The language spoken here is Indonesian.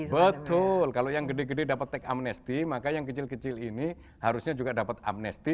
betul kalau yang gede gede dapat teks amnesti maka yang kecil kecil ini harusnya juga dapat amnesti